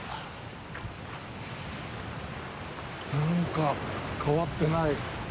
なんか、変わってない！